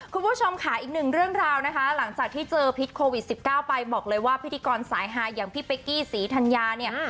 คุณผู้ชมค่ะอีกหนึ่งเรื่องราวนะคะหลังจากที่เจอพิษโควิด๑๙ไปบอกเลยว่าพิธีกรสายฮาอย่างพี่เป๊กกี้ศรีธัญญาเนี่ย